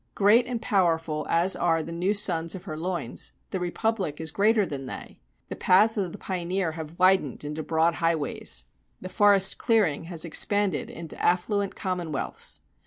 Great and powerful as are the new sons of her loins, the Republic is greater than they. The paths of the pioneer have widened into broad highways. The forest clearing has expanded into affluent commonwealths.